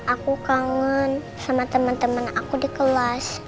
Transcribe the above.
aku kangen sama temen temen aku di kelas